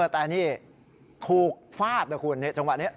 แต่นี่ถูกฟาดนะคุณจังหวะนี้